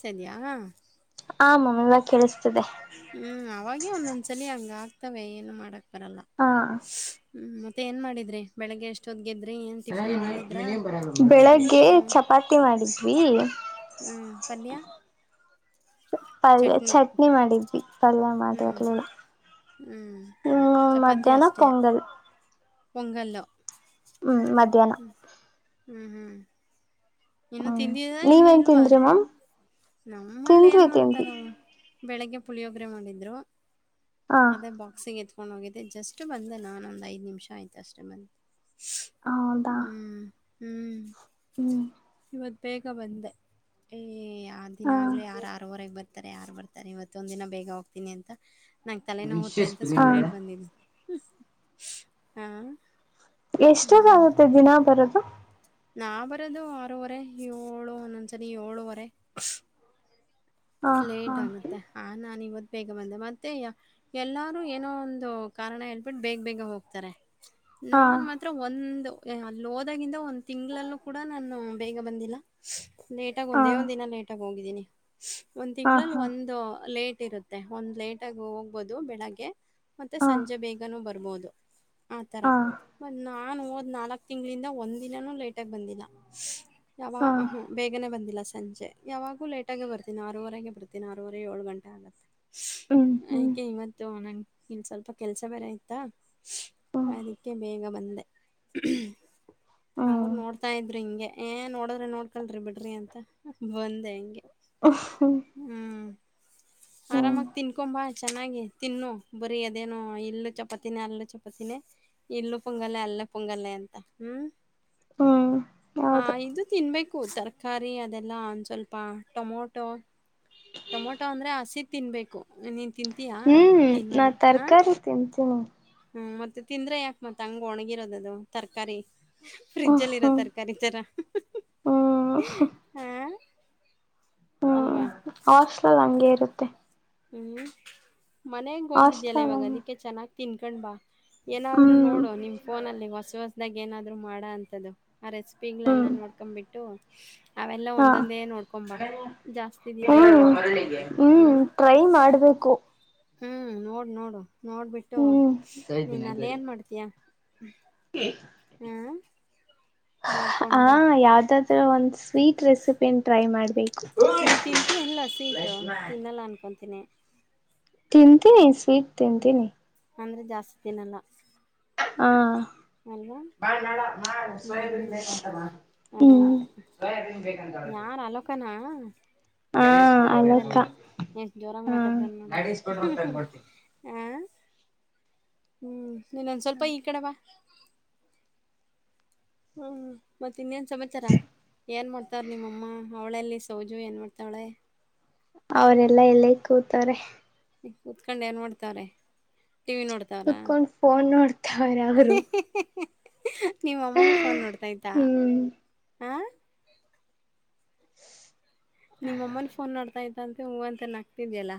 ತೆಧ್ಯಾ ಆ ಮಾಮ್ ಇವಾಗ್ ಕೇಳಿಸ್ತಿದೆ. ಹ್ಮ ಅವಾಗೆ ಒಂದೊಂದ್ಸಲೆ ಹಂಗ್ ಆಗ್ತವೆ ಏನು ಮಾಡಕ್ ಬರಲ್ಲ ಹಾ ಹ್ಮ ಮತ್ ಮತ್ತ ಏನ್ ಮಾಡಿದ್ರಿ ಬೆಳಿಗ್ ಎಷ್ಟೊತ್ ಗೆದ್ರಿ ಎನ್ [unintelligible] ಬೆಳಗ್ಗೆ ಹ್ಮ್ ಚಪಾತಿ ಮಾಡಿದ್ವಿ ಹ್ಮ್ ಪಲ್ಲ್ಯಾ ಪ ಪಲ್ಯ ಚಟ್ನಿ ಮಾಡಿದ್ವಿ ಪಲ್ಯ ಹ್ಮ್ ಮಾಡಿರ್ಲಿಲ್ಲಾ ಹ್ಮ್ ಹ್ಮ್ ಮಧ್ಯಾಹ್ನ ಪೊಂಗಲ್. ಪೊಂಗಲ್ಲೊ ಹ್ಞೂ ಮಧ್ಯಾನ. ಹ್ಮ ಹ್ಮ ಹ್ಮ ಇನ್ನು ಹ್ಮ್ ತಿಂದೆದಾ ಇನ್ನೂ ನೀವೇನ್ ಇಲ್ವಾ. ತಿಂದ್ರಿ ಮ್ಯಾಮ್ ನಮ್ಮಲ್ಲಿ ತಿಂದ್ವಿ ಏನ್ ತಿಂದ್ವಿ ಮಾಡೋತಾರ ಬೆಳಿಗ್ಗೆ ಪುಳಿಯೋಗರೆ ಮಾಡಿದ್ರು ಹ ಅದೇ ಬಾಕ್ಸಿಂಗ್ ಎತ್ಕೊಂಡು ಹೋಗಿದ್ದೆ ಜಸ್ಟ್ ಬಂದೆ ನಾನ ಒಂದು ಐದು ನಿಮಿಷ ಆಯ್ತು ಅಷ್ಟೇ ಬಂದ ಹೌದಾ ಹ್ಮ್ ಹ್ಮ್ ಇವತ್ತು ಬೇಗ ಬಂದೆ ಏಯಾ ಆ ದಿನ ಹ ಆಗಲಿ ಯಾರು ಆರಆರುವರೆ ಬರ್ತಾರೆ ಯಾರ ಬರ್ತಾರೆ ಇವತ್ತೊಂದು ದಿನ ಬೇಗ ಹೋಗ್ತೀನಿ ಅಂತ ನಂಗೆ ತೆಲೆ ನೋಯುತ್ತೆ ಅಂತ ಸುಳ್ಳೇಳ ಹ ಬಂದನಿ ಹಾ ಹ್ಮ್ ಎಷ್ಟೊದಾಕುತೆ ದಿನ ಬರದು ನಾ ಬರೋದು ಆರೂವರೆ ಏಳು ಒಂದೊಂದ್ಸರಿ ಏಳುವರೆ ಹ ಹಾ ಲೇಟ್ ಆಗುತ್ತೆ ಹ ನಾನು ಇವತ್ತು ಬೇಗ ಬಂದೆ ಮತ್ತೆ ಎಲ್ಲಾರು ಏನೋ ಒಂದು ಕಾರಣ ಹೇಳ್ಬಿಟ್ಟ ಬೇಗ ಬೇಗ ಹೋಗ್ತಾರೆ ಹಾ ನಾನ್ ಮಾತ್ರ ಒಂದು ಅಲ್ಲಿ ಹೋದಾಗಿಂದ ಒಂದ್ ತಿಂಗಳಲ್ಲೂ ಕೂಡ ನಾನು ಬೇಗ ಬಂದಿಲ್ಲ ಲೇಟಾಗಿ ಒಂದೇ ಹಾ ಒಂದ್ ದಿನ ಲೇಟಾಗಿ ಹೋಗಿದ್ದೀನಿ ಒಂದ್ ಹಾ ತಿಂಗಳಲ್ಲಿ ಹಾ ಒಂದು ಲೇಟ್ ಇರುತ್ತೆ ಮತ್ತೆ ಒಂದ್ ಲೇಟ್ ಆಗ ಹೋಗ್ಬಹದು ಬೆಳಗ್ಗೆ ಮತ್ತೆ ಸಂಜೆ ಬೇಗನೂ ಬರ್ಬೋದು ಆತರ ಹಾ ಮ ನಾನು ಹೋದ್ ನಾಲ್ಕ್ ತಿಂಗಳಿಂದ ಒಂದ್ ದಿನಾನೂ ಲೇಟ್ ಆಗ ಬಂದಿಲ್ಲ ಯಾವ ಹಾ ಹಾ ಹ ಬೇಗನೆ ಬಂದಿಲ್ಲ ಸಂಜೆ ಯಾವಾಗಲ ಲೇಟಗೆ ಬರ್ತ ದಿನಾರೂವರೆಗೆ ಬಿಡ್ತೀನಿ ಆರೂವರೆ ಯೊಳ್ ಗಂಟೆ ಆಗುತ್ತೆ ಹ್ಮ್ ಆಯ್ ಹ್ಮ್ ಕೆ ಇವತ್ತು ಇನ್ ಸ್ವಲ್ಪ ಕೆಲ್ಸಾ ಬೇರೆ ಅಯ್ತಾ ಅದಿಕ್ಕೆ ಬೇಗ ಬಂದೆ ಹ್ಮ [unintelligible] ಅವ್ರ ಹ್ಮ್ ನೋಡ್ತಾ ಇದ್ರಿ ಹಿಂಗೆ ಏ ನೋಡದ್ರೆ ನೋಡ್ಕಲ್ರಿ ಬಿಡ್ರಿ ಅಂತ ಬಂದೆ ಹಿಂಗೆ ಹ್ಮ [inaudible] ಹ್ಮ ಆರಾಮಾಗಿ ತಿನ್ಕೊಂಬಾ ಚೆನ್ನಾಗಿ ತಿನ್ನು ಬರೆಅದೇನು ಇಲ್ಲುಚಪಾತಿನಿ ಅಲ್ಲಿ ಚಪಾತಿನಿ ಇಲ್ಲಿ ಪೊಂಗಲ್ಲ ಅಲ್ಲು ಪೊಂಗಲ್ಲ ಅಂತ ಹ್ಮ್ ಹ್ಮ್ ಹಾ ಹೌದು ಇದು ತಿನ್ಬೇಕು ತರಕಾರಿ ಅದೆಲ್ಲಾ ಒಂದ್ ಸ್ವಲ್ಪ ಟೊಮೊ ಟೊ ಟೊಮೊಟೊ ಅಂದ್ರೆ ಹಸಿ ತಿನ್ಬೇಕು ನೀನ್ ತಿಂತೀಯಾ ಹ್ಮ್ ನಾ ತಿನ್ನಲ್ಲ ಹಾ ತರಕಾರಿ ತಿಂತೀನಿ ಹ್ಮ್ ಮತ್ತೆ ತಿಂದ್ರೆ ಯಾಕ ಮತ್ತತ್ ಹಂಗ ಒಣಗಿರೋದದು ತರಕಾರಿ ಹ್ಮ ಫ್ರಿಜಲ್ಲಿ ಇರೋ ಹ್ಮ್ ತರಕಾರಿ ತರ ಹ್ಮ್ ಹಾ ಹ್ಮ್ ಹಸ್ಲಲ್ ಹಗೆ ಇರುತ್ತೆ ಹ್ಮ್ ಮನೆಗ್ ಹೋಗಿದ್ಯಲ್ಲ ಹಾಸ್ಟೆಲ್ ಇವಾಗ ಹಂಗೆ ಅದಿಕ್ಕೆ ಚೆನ್ನಾಗಿ ತಿನ್ಕೊಂಡ್ ಬಾ ಏನಾದ್ರು ಹ್ಮ್ ನೋಡು ನಿಮ್ ಫೋನ ಅಲ್ಲಿ ಹೊಸ ಹೊಸ್ದಾಗ ಏನಾದ್ರು ಮಾಡ ಅಂತ್ದ ಆ ರೆಸಿಪಿಗಳೆಲ್ಲ ಹ್ಮ್ ನೋಡ್ಕೊ್ಂಬಿಟ್ಟು ಅವೆಲ್ಲ ಹಾ ಒಂದೊಂದೇ ನೋಡ್ಕೊಂಬ ಜಾಸ್ತಿ ದಿನ ಹ್ಮ್ ಇಡಕ್ ಆಗುವಂತಂದ್ರೆ ಹ್ಮ್ ಟ್ರೈ ಮಾಡ್ಬೇಕು ಹ್ಮ್ ನೋಡು ನೋಡು ನೋಡ್ಬಿಟ್ಟು ಹ್ಮ್ ನೀನ್ ಅಲ್ಲಿ ಏನ್ ಮಾಡ್ತ ಅ ಹ ಹ್ಮ್ ಹ ಯಾವ್ದಾದ್ರೂ ಒಂದು ಸ್ವೀಟ್ ರೆಸಿಪಿನ ಟ್ರೈ ಮಾಡ್ಬೇಕು ನೀನ್ ತಿಂತೀ ಎಲ್ಲಿ ಹಸಿ ಇಟು ತಿನ್ನಲ್ಲ ಅನ್ಕೊತೀನಿ ತಿಂತನಿ ಸ್ವಿಟ್ ತಿಂತನಿ ಅಂದ್ರೆ ಜಾಸ್ತಿತಿನಲ್ಲ ಹಾ ಬಾಳ ನಾ ಹ್ಮ್ ಸೋಯಂತ ಹ್ಮ್ ಹ್ಮ ಅದೇ ಸ ಬೇಕೇಕ ಕನಾ ಅಲಕ್ಕ ಪಕ್ಕದಲ್ಲಿ ಎಷ್ಟ ಜೋರಾಗಿ ಹಾ ಮಾತಾಡ್ತಾರ ನೋಡು ಆ ಹ್ಮ್ ನೀನ್ದ್ ಸ್ವಲ್ಪ ಈ ಕಡೆವಾ ಹ್ಮ ಮತ್ತೆ ಇನ್ನೇನ್ ಸಮಾಚಾರ ಏನ್ ಮಾಡ್ತಾವ್ರ ನಿಮ್ಮಮ್ಮ ಅವಳಲ್ಲಿ ತೋಜು ಎನಮಾಡ್ತಾಳೆ ಅವರೆಲ್ಲಾ ಎಲ್ಲ ಕೂತಾರೆ ಉತ್ಕೊಂಡ ಏನ್ ನೋಡ್ತಾರೆ ಟಿವಿ ನೋಡ್ತ ತರ ಕುೂತ್ಕೊಂಡ್ ಫೋನ್ ನೋಡ್ತಾವ್ರೆ ಅವರು ನೀವ ಅಮ್ಮನ ಫೋನ್ ನೋಡ್ತಾ ಇದತ ಹ್ಮ್ ನಿಮ್ಮಮ್ಮನ ಫೋನ್ ಮಾಡ್ತಾ ಇತಂತೆ ಹೂವಂತಾನ ಆಕ್ತಿದ್ಯಲ್ಲ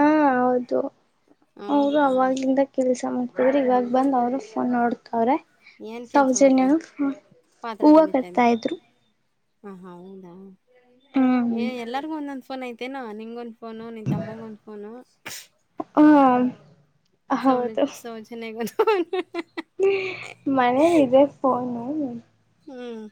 ಹ ಹೌದು ಅವರು ಅವಾಗ್ಲಿಂದ ಕೆಲ್ಸ ಮಾಡ್ತಿದ್ರರು ಇವಾಗ ಬಂದ್ ಅವರು ಫೋನ್ ಮಾಡೋ ಅವ್ರ ಏನ್ ಕೆಲ್ಸ ಮಾಡ್ತಾ ಸೌಜನ್ಯನು ಇದ್ರಿ ಪಾತ್ರೆ ಹೂವು ತೊಳಿತಾ ಕರ್ತಾ ಇದ್ರಿ ಇದ್ರು ಹ ಹ ಹೌದಾ ಹ್ಮ್ ಎಲ್ಲರಿಗು ಒಂದೊಂದು್ ಫೋನ್ ಯ್ತು ಅತ್ತೇನಾ ನಿಂಗೊಂದು ಫೋನು ನಿ ತಮ್ಮಂಗ ಒಂದ ಫೋನು ಹ ಸೌನ ಹೌದು ಸೌ ಚನ್ನದು ಹ್ಮ ಮನೇನ ಇದೆ ಹ ನ ಮಾಮ ಹ್ಮ್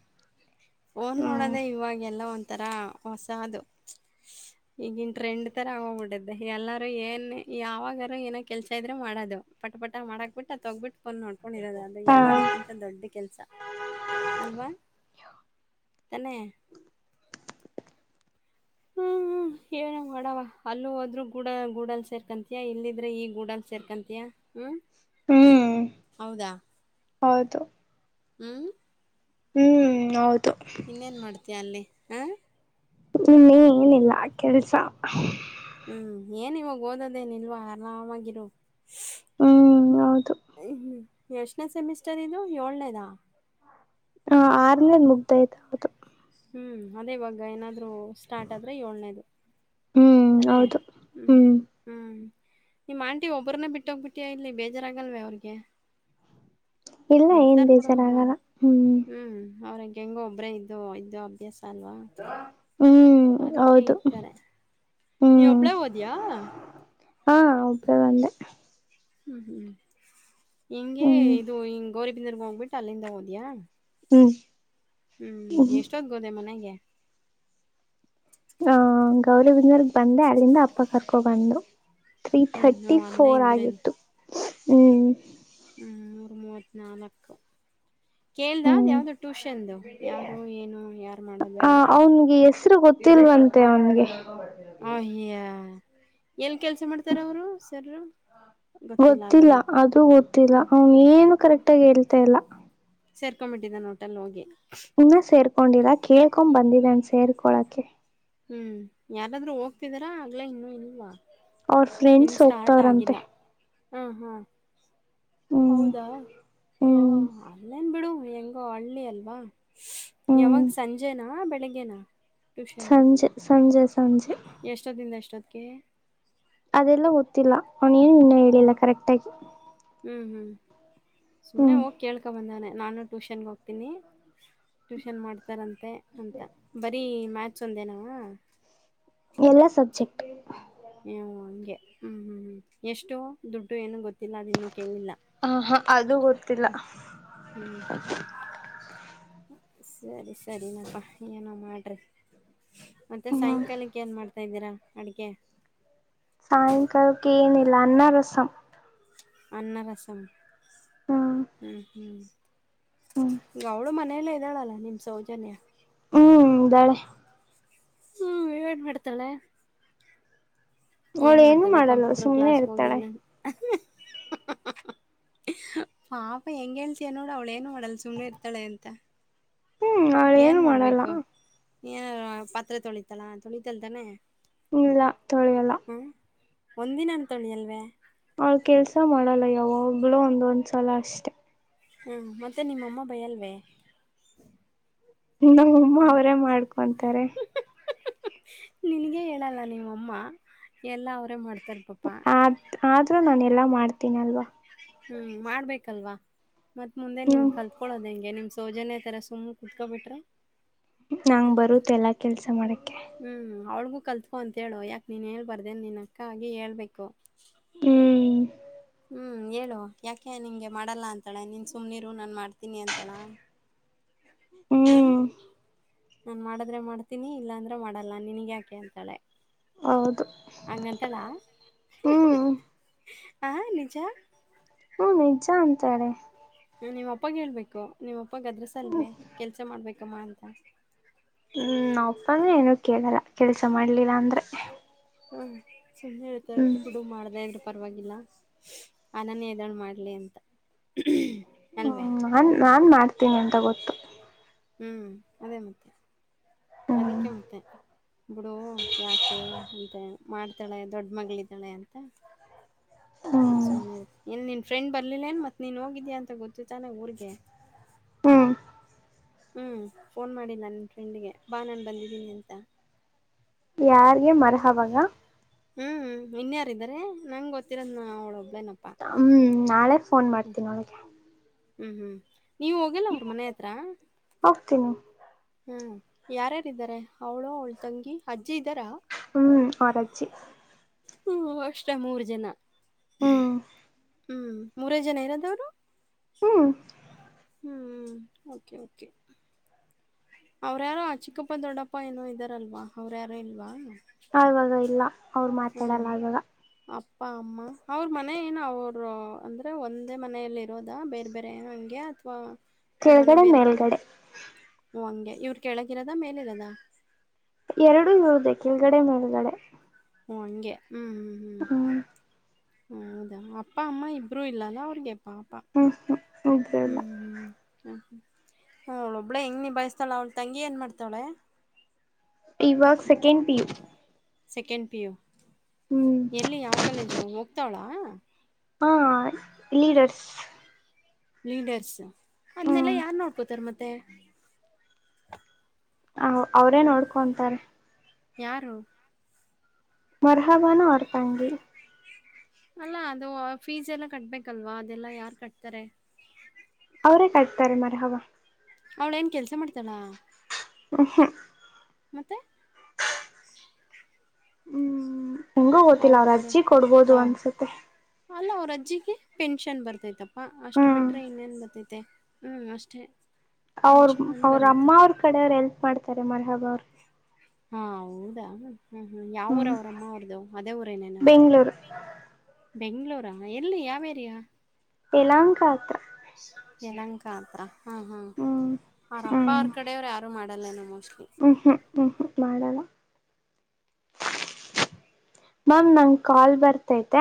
ಫೋನ್ ಹ್ಮ್ ನೋಡೋದೇ ಇವಾಗೆಲ್ಲ ಒಂಥರ ಹೊಸ ಅದು ಹ ಈಗಿನ್ ಟ್ರೆಂಡ್ ತರ ಆಗೋಗ್ಬಿಟ್ಟಿದ್ದೆ ಎಲ್ಲಾರೂ ಏನ್ ಯಾವಾಗಾರೂ ಏನೋ ಕೆಲ್ಸ ಇದ್ರೆ ಮಾಡೋದು ಪಟ ಪಟ ಮಾಡಕ್ ಬಿಟ್ಟು ಅ ತೊಗ್ಬಿಟ್ಟು ಕೊಂಡ್ ನೋಡ್ಕೊಂಡಿ ಇರೋದು ಅದು ಹ ಎಲ್ಲದಕ್ಕಿಂತ ದೊಡ್ಡ ಕೆಲ್ಸ ಅಲ್ವಾ ತನೆ ಹ್ಮ ಹ ನ ಮಾಡವ ಅಲ್ಲೂ ಹೋದ್ೂ ಗೂಡ ಗೂಡಲ್ ಸೇರ್ಕಂತಯಾ ಇಲ್ಲಿದ್ರೆ ಈ ಗೂಡಲ್ ಸೇರ್ಕಂತಯಾ ಹ್ಮ್ ಹ್ಮ್ ಹೌದಾ ಹೌದು ಹ್ಮ್ ಹ್ಮ್ ಹೌದು ಇನ್ನೇನು ಮಾಡ್ತೀಯಾ ಅಲ್ಲಿ ಹಾಂ ಇನ್ನ ಏನಿಲ್ಲ ಕೆಲ್ಸ ಹ್ಮ್ ಏನ್ ಇವಾಗ ಓದದೇನ್ ಇಲ್ವಾ ಆರಾಮಾಗಿರು ಹ್ಮ್ ಹೌದು ಎಷ್ಟನೇ ಸೆಮಿಸ್ಟರ್ ಇದು ಏಳ್ನೇದಾ ಹ ಆರ್ನೇದ ಮುಗ್ದಾಯ್ತ ಹೌದು ಹ್ಮ್ ಅದೇ ಇವಾಗ ಏನಾದ್ರು ಸ್ಟಾರ್ಟ್ ಆದ್ರೆ ಏಳ್ನೇದು ಹ್ಮ್ ತನ ಹೌದು ಹ್ಮ್ ಹ್ಮ್ ನಿಮ್ಮ್ ಆಂಟಿ ಒಬ್ಬ್ರನ್ನ ಬಿಟ್ಟೋಗ್ಬಿಟ್ಟಯ ಇಲ್ಲಿ ಬೇಜಾರಾಗಲ್ವೇ ಅವ್ರಿಗೆ ಇಲ್ಲ ಏನ್ ಇರ್ತಾರ ಬಿಡ ಹ್ಮ್ ಬೇಜಾರಾಗಲ್ಲ ಹ್ಮ್ ಅವ್ರ ಹೆಂಗ ಹೆಂಗ ಒಬ್ರೇ ಇದೋ ಇದದು ಅಭ್ಯಾಸ ಅಲ್ವಾ ಹ್ಮ್ ಅದಕ್ಕೆ ಹೌದು ಇರ್ತಾರೆ ನೀವ ಹ್ಮ್ ಒಬ್ಳೇ ಓದಿಯಾ ಹಾ ಒಬ್ರೇದಂದೆ ಹ್ಮ್ ಹ್ಮ್ ಹಿಂಂಗಗೆ ಹ್ಮ್ ಇದು ಹ ಗೌರಿಬ ರ್ಗ ಹೋಗ್ಬಿಟ್ಟು ಅಲ್ಲಿಂದ ಹಓದಯಾ ಹ್ಮ್ ಹ್ಮ್ ಎಷ್ಟೊತ್ ಗೋದೆ ಮನೆಗೆ ಹ ಗೌರಿ ಬಂದರ್ಗ್ ಬಂದೆ ಅಲ್ಲಿಂದ ಅಪ್ಪ ಕರ್ಕೊ ಬಂದು ತ್ರೀ ಹ್ಮ್ ಹ್ಞೂ ಥರ್ಟಿ ಅಲ್ಲೇ ಫೋರ್ ಇದ್ರೇನು ಆಗಿತ್ತು ಹ್ಮ್ ಮೂರು ಮೂವತ್ ನಾಲ್ಕು ಕೇಳ್ದ ಅ್ ಹ್ಮ್ ಯಾವ್ದು ಟ್ಯೂಷನ್ದು ಯಾರು ಏನು ಯಾರು ಮಾಡೋದು ಅಂತ ನಿಮಗೆಸರು ಗೊತ್ತ ಗೊತ್ತಿಲ್ವಂತೆ ಅವನಿಗೆ ಅಹ್ಯ ಎಲ್ ಕೆಲ್ಸ ಮಾಡ್ತಾರ ಅವರು ಸರರು ಗೊತ್ತಿಲ್ಲ ಅದು ಗೊತ್ತಿಲ್ಲ ಅವನ್ ಏನು ಕರೆಕ್ಟ್ಗ ಹೇಳ್ತಾ ಇಲ್ಲ ಸೇರ್ಕೊಂಡ್ಂಬಿಟ್ಟಿದ್ದ ನ ಹೋಟೆಲ್ ಹೋಗಿ ಇನ್ನ ಸೇರ್ಕೊಂಡರ ಕೇಳ್ಕೊ್ ಬಂದಿದ್ದಣ ಸೇರ್ಕೊಳಕೆ ಹ್ಮ್ ಯಾರಾದ್ರೂ ಹೋಗ್ತಿದಾರಾ ಆಗ್ಲಾ ಇನ್ನುೂ ಇಲ್ವಾ ಅವ್ರ ಇನ್ನು ಫ್ರೆಂಡ್ಸ್ ಸ್ಟಾರ್ಟ್ ಹೋಗ್ತವ್ರಂತೆ ಆಗಿಲ್ಲ ಹಾ ಹಾ ಹ್ಮ್ ಹೌದಾ ಹ ಹ್ಮ್ ಅೇನ್ ಬಿಡು ಹೆಂಗ ಹಳ್ಳಿ ಅಲ್ವಾ ಹ್ಮ್ ಯಾವಾಗ ಸಂಜೆನಾ ಬೆಳಿಗ್ಗೆನಾ ಟ್ಯೂಷನ್ನು ಸಂಜೆ ಸಂಜೆ ಸಂಜೆ ಎಷ್ಟೊತ್ತಿಂದ ಎಷ್ಟೊತ್ತಕ್ಕೆ ಅದೆಲ್ಲ ಗೊತ್ತಿಲ್ಲ ಅವನೇನು ಇನ್ನೂ ಹೇಳಿಲ್ಲ ಕರೆಕ್ಟ್ ಆಗಿ ಹ್ಮ್ ಹ್ಮ್ ಸುಮ್ಮ್ನೆ ಹ್ಮ್ ಹೋಗಿ ಕೇಳ್ಕೊ ಬಂದಾನೆ ನಾನು ಟ್ಯೂಷನ್ಗೆ ಹೋಗ್ತೀನಿ ಟ್ಯೂಷನ್ ಮಾಡ್ತಾರಂತೆ ಅಂತ ಬರೀ ಮ್ಯಾಚ್ ಒಂದೇನಾವ ಎಲ್ಲ ಸಬ್ಜೆಕ್ಟ್ ಹಂಗೆ ಹ್ಮ್ ಹ್ಮ್ ಹ್ಮ್ ಎಷ್ಟೋ ದುಡ್ಡು ಏನು ಗೊತ್ತಿಲ್ಲ ಅದ ಇನ್ನು ಕೇಳಲಿಲ್ಲ ಹ ಹಾ ಅದು ಗೊತ್ತಿಲ್ಲ ಹ್ಮ್ ಸರಿ ಸರಿನಪ್ಪಾ ಏನೋ ಮಾಡ್ರಿ ಮತ್ತೆ ಹ್ಮ ಸಾಯಂಕಾಲ ಅಕ್ಕೇನು ಮಾಡ್ತಾ ಇದ್ದೀರಾ ಅಡುಗೆ ಸಾಯಂಕಾಲಕ್ಕೆ ಏನಿಲ್ಲ ಅನ್ನರಸಂ ಅನ್ನರಸಂ ಹ್ಮ್ ಹ್ಮ್ ಗೌಳ ಮನೆಯಲ್ಲ ಇದ್ದಾಳಲ್ಲ ನಿಮ ಸೌಜನ್ಯ [unintelligible] ಹ್ಮ ವಿವನ್ ಮಾಡಡತಲ್ಲ ಅವಳು ಏನ್ ಏನು ಮಾಡ್ತಾನೆ ಮಾಡಲ್ಲ ಕಂಪ್ಯೂಟರ್ ಸುಮ್ನೆ ಕ್ಲಾಸ್ ಇರ್ತಾಳೆ ಹೋಗಿಲ್ಲ ಪಾಪ ಹೆಂಗಗೆ ಹೇಳ್ತಿಯಾ ನೋಡು ಅವಳ ಏನು ಮಾಡಲ್ ಸುಮ್ನೆ ಇರ್ತಳೆ ಅಂತ ಹ್ಮ್ ಅವಳು ಏನು ಏನ್ ಮಾಡಲ್ಲ ಮಾಡ್ಬೇಕು ಏನ ಪಾತ್ರೆ ತೊಳಿತಲ ತೊಳಿತಲ್ತಾನೆ ಇಲ್ಲ ತೊಳಿಯಲ್ಲ ಹ ಒಂದಿನ ಅನ್ ತೊಳ್ಳಿ ಅಲ್ವೇ ಅವ ಕೆಲ್ಸ ಮಾಡಲ್ಲ ಯಾವಾಗ್ಲೂ ಒಂದೊಂದ್ ಸಲ ಅಷ್ಟೆ ಹ್ಮ್ ಮತ್ತೆ ನಿಮ್ಮಮ್ಮ ಭಯ ಅಲ್ವೇ ನಮ್ಮಮ್ಮ ಅವರೇ ಮಾಡ್ಕೊಂತಾರೆ ನಿನಗೆೇ ಹೇಳಲ್ಲ ನೀಮ್ಮಮ್ಮ ಎಲ್ಲ ಅವರೇ ಮಾಡ್ತಾರೆ ಪಾಪ ಆದ ಆದರೂ ನಾನು ಎಲ್ಲ ಮಾಡ್ತೀನಲ್ವಾ ಹ್ಮ್ ಮಾಡ್ಬೇಕಲ್ವಾ ಮತ್ ಮುಂದೆ ನಿನ್ ಹ್ಮ್ ಕಲ್ತ ಕುತ್ಕೋ್ ಹೆಂ ನಿಮ್ ಸೌಜನ್ಯ ತರ ಸುಮ್ ಕುತ್ಕೋ ಬಿಟ್ರ ನಾ್ ಬರುತ್ ಎಲ್ಲಾ ಕೆಲ್ಸ ಮಾಡಕ್ಕೆೆ ಹ್ಮ್ ಅವಳಗೂ ಕಲ್ತ್ಕೊ ಅಂತೇಳು ಯಾಕೆ ನೀನ್ ಹೇಳ್ಬರ್ ನ್ ನಿನ್ ಅಕ್ಕ ಆಗಿ ಹೇಳ್ಬೇಕು ಹ್ಮ್ ಹ್ಮ್ ಹೇಳು ಯಾಕೆ ನಿಂಗೆ ಮಾಡಲ್ಲಾ ಅಂತಾಳೆ ನೀನ್ ಸುಮ್ನೀರು ನಾನ್ ಮಾಡ್ತೀನಿ ಅಂತಳ [inaudible] ಹ್ಮ್ ನಾನ್ ಮಾಡದ್ರೆ ಮಾಡ್ತೀನಿ ಇಲ್ಲಾಂದ್ರೆ ಮಾಡಲ್ಲ ನನ್ಗ್ ಯಾಕೆ ಅಂತಾಳೆ ಹೌದು ಹಂಗಂತಳಾ ಹ್ಮ್ ಹ ನಿಜ ಹ್ಮ ನಿಜ ಅಂತಾಾರೆ ನಿಮ್ಮ ಅಪ್ಪಾಗ ಹೇಳ್ಬೇಕು ನಿಮ್ಮಪ್ಪಾಗ ಅದ್ರಸ ಹ್ಮ್ ಅಲ್ವೇ ಕೆಲ್ಸ ಮಾಡ್ಬೇಕಮ್ಮ ಅಂತ ಹ್ಮ್ ನಾವಪ್ಪ ಅಂದ್ರೆ ಏನು ಕೇಳಲ್ಲ ಕೆಲ್ಸ ಮಾಡ್ಲಿಲ್ಲ ಅಂದ್ರೆ ಹಾ ಚುನ್ನನೆ ಇರ್ತ ಹ್ಮ್ ಬಿಡು ಮಾಡದ ಇದ್ರರು ಪರವಾಗಿಲ್ಲ ಆನನ್ ಎದಡ್ ಮಾಡ್ಲಿ ಅಂತ ಅಲ್ವೇ ಹ್ಮ್ ನಾನ್ ನಾನ್ ಮಾಡ್ತೀನಿ ಅಂತ ಗೊತ್ತು ಹ್ಮ್ ಅದೇ ಮತ್ತೆ ಹ್ಮ್ ಅದಕ್ಕೆ ಮತ್ತೆ ಬಿಡು ಯಾಕೆ ಅಂತ ಮಾಡ್ತ ತಾಳೆ ದೊಡ್ ಮಗಳಿದ್ದಾಳೆ ಅಂತ ಹ ಹ್ಮ್ ಸುಮ್ನೆ ಇ ಫ್ರೆಂಡ್ ಬರ್ಲಿಲ್ಲೇನ್ ಮತ್ತೆ ನೀನು ಹೋಗಿದೀಾ ಅಂತ ಗೊತ್ತಿತ್ತಾನೆ ಊಗೆ ಹ್ಮ್ ಹ್ಞೂ ಫೋನ್ ಮಾಡಿ ನನ್ನ ಫ್ರೆಂಡಿಗೆ ಬಾ ನಾನು ಬಂದಿದ್ದೀನಿ ಅಂತ ಯಾರ್ಗೆ ಮರ ಹವಾಗ ಹ್ಮ್ ಇನ್ಯಾರ ಇದಾರೆ ನಂಗ್ ಗೊತ್ತಿರೋದ ನ ಅವ್ಳೊಬ್ಬೇನಪ್ಪಾ ಹ್ಮ್ ನಾಳೆ ಫೋನ್ ಹ್ಮ್ ಮಾಡ್ತೀನಿ ಅವಳಿಗೆ ಹ್ಮ್ ಹ್ಮ್ ನೀವ ಹೋಗಲ್ಲ ಅವ್ರ ಮನೆ ಹತ್ರ ಹಗ್ತೀನಿ ಹ್ಮ ಯಾರ್ಯಾರ ಇದಾರೆ. ಅವ್ಳು ಅವಳ ತಂಗಿ ಅಜ್ಜಿ ಇದ್ದಾರಾ? ಹ್ಮ್ಅವರ ಅಜ್ಜಿ. ಹ್ಮ ಅಷ್ಟ ಮೂರ ಜನ ಹ್ಮ್ ಹ್ಮ್ ಮೂರೇ ಜನ ಇರೋದವರು? ಹ್ಮ್ ಹ್ಞ ಓಕೆ ಓಕೆ. ಅವ್ರ್ಯಾರೋ ಚಿಕ್ಕಪ್ಪ ದೊಡ್ಡಪ್ಪ ಏನೋ ಇದ್ದಾರಲ್ವಾ ಅವ್ರ್ಯಾರೋ ಇಲ್ವಾ? ಇವಾಗ ಇಲ್ಲ. ಅವ್ರು ಹ್ಮ ಮಾತಾಡಲ್ಲ ಆವಾಗ ಅಪ್ಪ ಅಮ್ಮ ಅವ್ರ ಮನ ಏನು ಅವರು ಅಂದ್ರೆ ಒಂದೇ ಮನೆಯಲ್ಲಿ ಇರೋದಾ ಬೇರೆ ಬೇರೆ ಹಂಗೆ ಅಥವಾ ಅವ್ರ ಮನೆ ಕೆಳಗಡೆ ಬೇರೆ ಕಡೆ ಮೇಲ್ಗಡೆ ಹ ಹಂಗೆ ಇವ್ರ ಕೆಳಗಿರದ ಮೇಲಿರದಾ ಎರಡು ಇರದೆ ಕೆಳಗಡೆ ಮೇಲುಗಡೆ ಹ್ಮ ಹಂಗೆ ಹ್ಮ್ ಹ್ಮ್ ಹ್ಮ್ ಹೌದಾ ಅಪ್ಪ ಅಮ್ಮ ಇಬ್ರುೂ ಇಲ್ಲಲ್ಲ ಅವ್ರಿಗೆ ಪಾಪ ಹ್ಮ್ ಹ್ಮ್ ಇದ್ರಲ್ಲ ಹ್ಮ್ ಹ ಹ್ಞೂ ಹ್ಞೂ್ ಅವಳು ಒಬ್ಬಳೇ ಹೆಂಗೆ ನಿಬಯಸ್ತಾಳೆ? ಅವಳು ತಂಗಿ ಏನು ಮಾಡ್ತಾಳೆ? ಇವಾಗ second P second P U ಹ್ಮ್ ಎಲ್ಲಿ ಯಾವ ಕಾಲೇಜು ಹೋಗ್ತಾವಳಾ. ಹಾ ಲೀಡರ್ಸ್ ಲೀಡರ್ಸ್ ಅದನ್ನೆಲ್ಲ ಹ್ಮ್ ಯಾರ್ ನೋಡ್ಕೋತಾರ ಮತ್ತೆ? ಹ ಅವ್ರೇ ಹ್ಮ ನೋಡ್ಕೊಂತಾರೆ. ಯಾರು? ಮರಹಬಾನ ಅವರ ತಂಗಿ ಅಲ್ಲ ಅದು ಫೀಸ್ ಎಲ್ಲ ಕಟಬೇಕಲ್ವಾ ಅದೆಲ್ಲ ಯಾರ ಕಟ್ತಾರೆ? ಅವರೇ ಕಟ್ತಾರೆ ಮರಹಬ. ಅವ್ಳ ಏನು ಕೆಲಸ ಮಾಡ್ತಾಳ? ಹ ಹ ಮತ್ತೆ ಹ್ಮ್ ಹೆಂಗೂ ಗೊತ್ತಿಲ್ಲ ಅವ್ರು ಅವ್ರ ಅಜ್ಜಿ ಕೊಡ್ಬೋದು ಹ ಅನ್ಸತ್ತೆ. ಅಲ್ಲ ಅವ್ರ ಅಜ್ಜಿಗೆ ಪೆನ್ಷನ್ ಬರ್ತೈತಪ್ಪಾ ಅಷ್ಟು ಹ್ಮ್ ಬಿಟ್ರೆ ಇನ್ನೇನ್ ಬರ್ತೈತಿ. ಮತ್ತೆ ಹ್ಮ್ ಅಷ್ಟೇ ಅವ್ರ ಪೆನ್ಷನ್ ಒಂದು ಅವ್ರ ಅಮ್ಮ ಬರುತ್ತೆ ಅವ್ರ ಕಡೆ ಅವರು ಹೆಲ್ಪ್ ಮಾಡ್ತಾರೆ ಮರಹಬ ಅವ್ರು ಹಾ ಹೌದಾ ಹ್ಮ ಹ್ಮ್ ಯಾವೂರ ಅವ್ರಮ್ಮ ಅವರದು ಅದೇ ಊರ ಏನೇನಾ ಬೆಂಗ್ಳೂರು ಬೆಂಗಳೂರು ಎಲ್ಲಿ ಯಾವ ಏರಿಯಾ ಎಲಂಕತ್ರ ಯಲಂಕ ಹತ್ರ ಹಾ ಹಾ ಹ್ಮ್ ಅವಾರಪ್ಪ ಹ್ಮ್ ಅವ್ರ ಕಡೆಯವ್ರ ಯಾರು ಮಾಡಲ್ಲೇನ ಮೋಸ್ಟ್ಲಿ ನನ್ಸ ಮಾಡಲ್ಲ ಮ್ಯಾಮ್ ನಂಗ ಕಾಲ್ ಬರ್ತೈತೆ